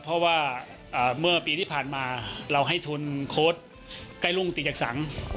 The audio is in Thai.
เพราะว่าเมื่อปีที่ผ่านมาเราให้ทุนโค้ดใกล้รุ่งตีจากสัง